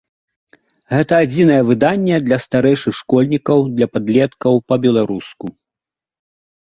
Гэта адзінае выданне для старэйшых школьнікаў, для падлеткаў па-беларуску.